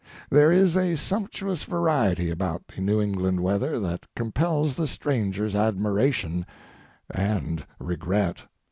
There is a sumptuous variety about the New England weather that compels the stranger's admiration—and regret.